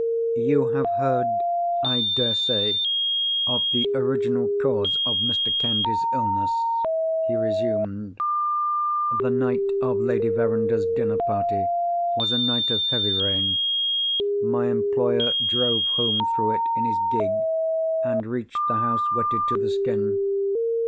"You have heard, I dare say, of the original cause of Mr. Candy's illness?" he resumed. "The night of Lady Verinder's dinner party was a night of heavy rain. My employer drove home through it in his gig, and reached the house wetted to the skin.